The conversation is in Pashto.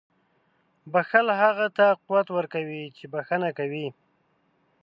• بښل هغه ته قوت ورکوي چې بښنه کوي.